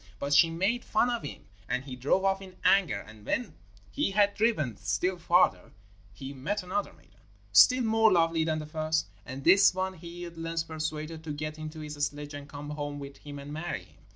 But she made fun of him, and he drove off in anger. When he had driven still farther he met another maiden, still more lovely than the first, and this one he at length persuaded to get into his sledge and come home with him and marry him.